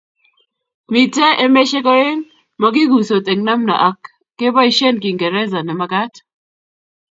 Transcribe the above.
Mite emeshek oeng' "magiguisot eng' namna" ak " keboishen Kiingereza ne magat"